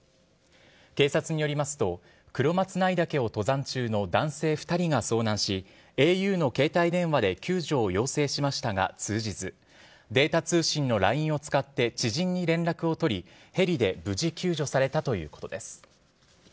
警察によりますと、黒松内岳を登山中の男性２人が遭難し、ａｕの携帯電話で救助を要請しましたが、通じず、データ通信のＬＩＮＥを使って知人に連絡を取り、ヘリで無事救助されたということです。